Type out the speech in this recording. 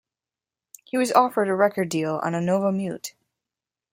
He was offered a record deal on novamute.